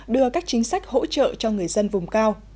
đưa các chính sách hỗ trợ cho người dân vùng cao